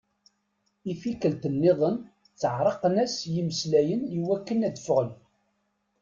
I tikkelt-nniḍen ttaɛren-as yimeslayen iwakken ad ffɣen.